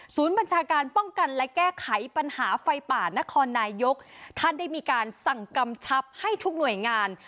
บัญชาการป้องกันและแก้ไขปัญหาไฟป่านครนายกท่านได้มีการสั่งกำชับให้ทุกหน่วยงาน